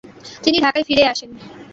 তিনি ঢাকায় ফিরে আসেন।